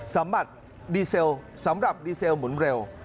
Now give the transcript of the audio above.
บัตรดีเซลสำหรับดีเซลหมุนเร็ว